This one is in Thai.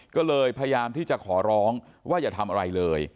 ก็เลยพยายามที่จะขอร้องว่าอย่าทำอะไรเลย